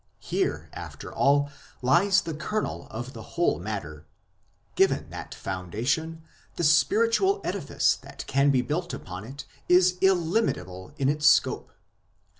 Here, after all, lies the kernel of the whole matter ; given that foundation, the spiritual edifice that can be built upon it is illimitable in its scope.